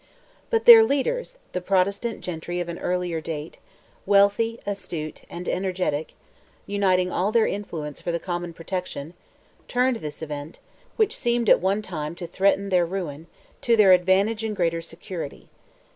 But their leaders, the Protestant gentry of an earlier date, wealthy, astute and energetic, uniting all their influence for the common protection, turned this event, which seemed at one time to threaten their ruin, to their advantage and greater security.